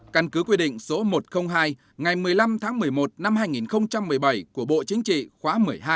căn cứ quy định số một trăm linh hai ngày một mươi năm tháng một mươi một năm hai nghìn một mươi bảy của bộ chính trị khóa một mươi hai